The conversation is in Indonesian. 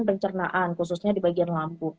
pencernaan khususnya di bagian lampu